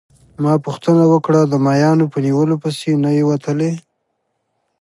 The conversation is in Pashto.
ما پوښتنه وکړه: د ماهیانو په نیولو پسي نه يې وتلی؟